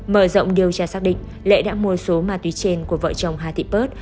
mở rộng điều tra xác định lệ đã mua số ma túy trên của vợ chồng hà thị pớt